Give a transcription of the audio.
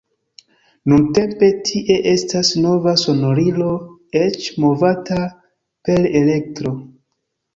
Nuntempe tie estas nova sonorilo, eĉ movata per elektro.